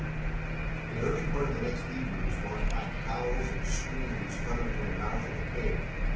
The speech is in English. The early part of the next evening was marked by howls and screams coming from the mouth of the cave.